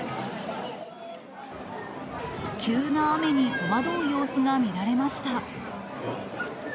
急な雨に戸惑う様子が見られました。